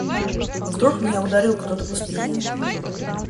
Вдруг меня ударил кто-то по спине.